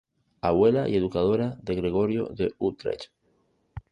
Abuela y educadora de Gregorio de Utrecht.